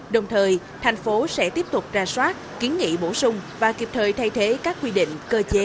đồng thời thành phố sẽ tiếp tục ra soát kiến nghị bổ sung và kịp thời thay thế các quy định cơ chế